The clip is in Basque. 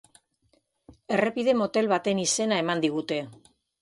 Errepide motel baten izena eman digute.